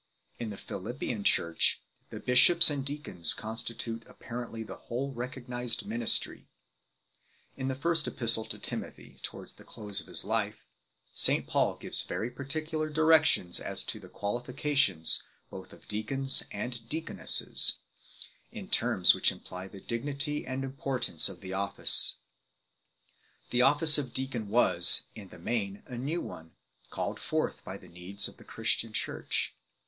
In the Philippian church the "bishops and deacons" constitute apparently the whole recognized ministry 5 . In the first Epistle to Timothy, towards the close of his life, St Paul gives very particular directions as to the qualifications both of deacons and deaconesses, in terms which imply the dignity and importance of the office 6 . The office of deacon was, in the main, a new one, called forth by the needs of the Christian Church.